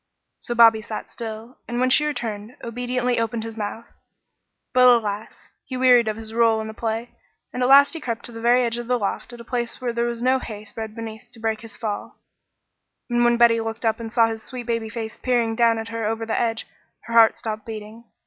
So Bobby sat still, and when she returned, obediently opened his mouth; but alas! he wearied of his rôle in the play, and at last crept to the very edge of the loft at a place where there was no hay spread beneath to break his fall; and when Betty looked up and saw his sweet baby face peering down at her over the edge, her heart stopped beating.